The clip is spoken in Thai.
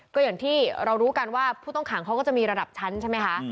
ก็อย่างที่เรารู้กันว่าผู้ต้องขังเขาก็จะมีระดับชั้นใช่ไหมคะ